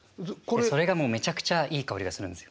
それがもうめちゃくちゃいい香りがするんですよ。